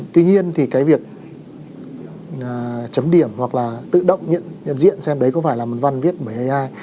tuy nhiên thì cái việc chấm điểm hoặc là tự động nhận diện xem đấy có phải là một văn viết bởi ai